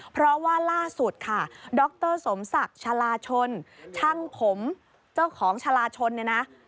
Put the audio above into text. เพราะว่าล่าสุดค่ะดรสมศักดิ์ชาลาชนช่างผมเจ้าของชาลาชนเนี่ยนะ